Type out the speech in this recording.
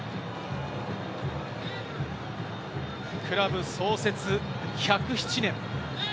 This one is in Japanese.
クラブ創設１０７年。